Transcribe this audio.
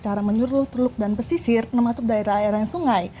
cara menyuruh teluk dan pesisir termasuk daerah aliran sungai